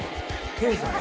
ケイさん？